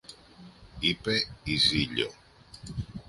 είπε η Ζήλιω.